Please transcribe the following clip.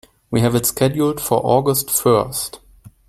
We have it scheduled for August first.